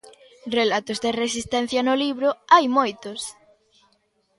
Relatos de resistencia no libro hai moitos.